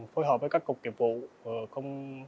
phối hợp với các cục nghiệp vụ